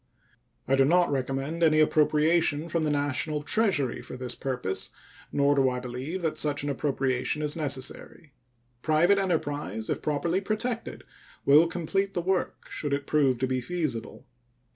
I do not recommend any appropriation from the National Treasury for this purpose, nor do I believe that such an appropriation is necessary. Private enterprise, if properly protected, will complete the work should it prove to be feasible.